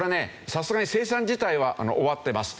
さすがに生産自体は終わってます。